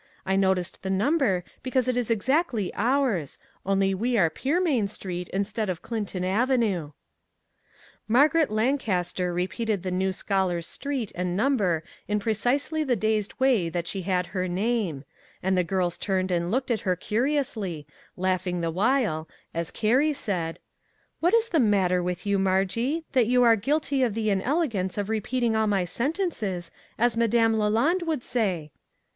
I noticed the number because it is exactly ours, only we are Pearmain street instead of Clinton avenue." Margaret Lancaster repeated the new scholar's street and number in precisely the dazed way that she had her name ; and the girls turned and looked at her curiously, laughing the while, as Carrie said :" What is the mat ter with you, Margie, that you ' are guilty of the inelegance of repeating all my sentences,' as Madame LaLande would say